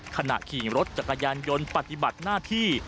ขณะขี่รถจักรยานยนต์ปฏิบัติหน้าที่